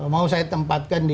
mau saya tempatkan di